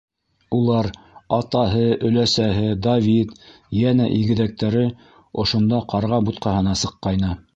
Улар - атаһы, өләсәһе, Давид, йәнә игеҙәктәре - ошонда «Ҡарға бутҡаһы»на сыҡҡайны.